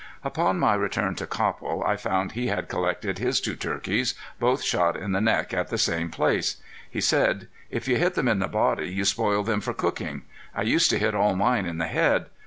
Upon my return to Copple I found he had collected his two turkeys, both shot in the neck in the same place. He said: "If you hit them in the body you spoil them for cooking. I used to hit all mine in the head.